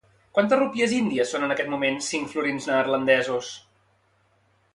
Quantes rúpies índies són en aquest moment cinc florins neerlandesos?